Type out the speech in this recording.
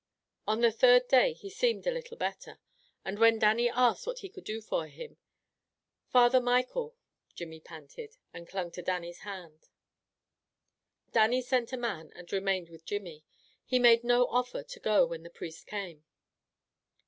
On the third day he seemed a little better, and when Dannie asked what he could do for him, "Father Michael," Jimmy panted, and clung to Dannie's hand. Dannie sent a man and remained with Jimmy. He made no offer to go when the priest came.